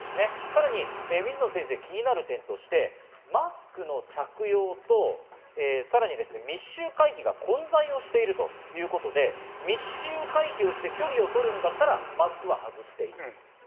さらに水野先生、気になる点としてマスクの着用と密集回避が混在しているということで、密集回避をして距離を取るんだったらマスクは外していいよと。